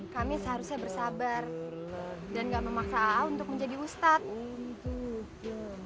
kami seharusnya bersabar dan gak memaksa aau untuk menjadi ustadz